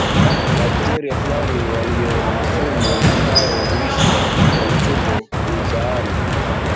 Bakteria fulani walio na sumu ambao huishi katika utumbo huzaana